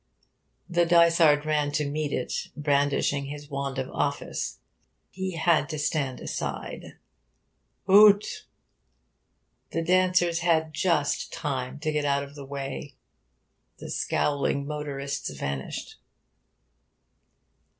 The dysard ran to meet it, brandishing his wand of office. He had to stand aside. Hoot! The dancers had just time to get out of the way. The scowling motorists vanished.